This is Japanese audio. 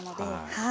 はい。